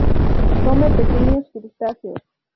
Come pequeños crustáceos.